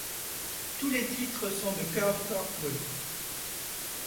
Tous les titres sont de Curt Kirkwood.